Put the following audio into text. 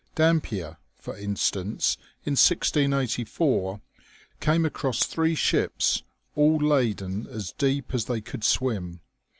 Dampier, for instance, in 1684, came across three ships all laden as deep as they could swim.